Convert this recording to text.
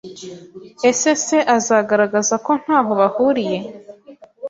Ese se azagaragaza ko ntaho bahuriye